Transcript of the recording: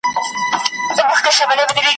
پوهېږمه زموږ پر عملونو دا هم ډیر دي